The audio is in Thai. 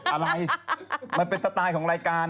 อะไรมันเป็นสไตล์ของรายการ